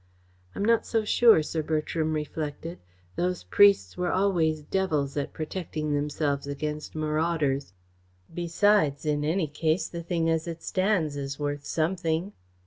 "I'm not so sure," Sir Bertram reflected. "Those priests were always devils at protecting themselves against marauders. Besides, in any case, the thing as it stands is worth something."